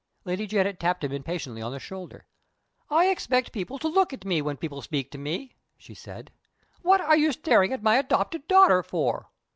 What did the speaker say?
Lady Janet tapped him impatiently on the shoulder. "I expect people to look at me when people speak to me," she said. "What are you staring at my adopted daughter for?"